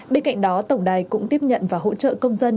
bên cạnh đó tổng đài cũng tiếp nhận và hỗ trợ công dân